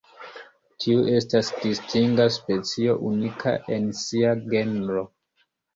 Tiu estas distinga specio, unika en sia genro.